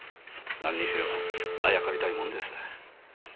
何にせよあやかりたいもんです。